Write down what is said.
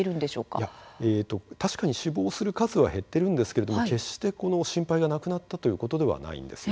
いや、確かに死亡する数は減っているんですけれども決して、この心配がなくなったということではないんですよ。